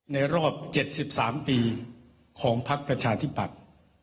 ในรอบ๗๓ปีของภักษ์ประชาธิบัติ